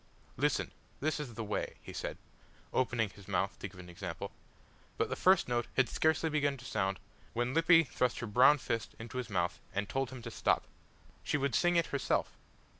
"Listen, this is the way," he said, opening his mouth to give an example; but the first note had scarcely begun to sound when Lippy thrust her brown fist into his mouth, and told him to stop. She would sing it herself!